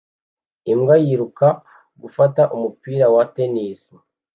Imbwa yiruka gufata umupira wa tennis